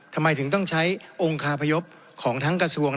ทำไมถึงต้องใช้องค์คาพยพของทั้งกระทรวง